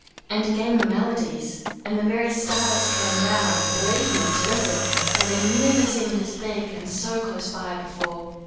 And again the melodies; and the very stars came down, believe me, to Hsten, for they never seemed as big and so close by before.